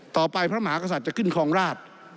พระมหากษัตริย์จะขึ้นคลองราช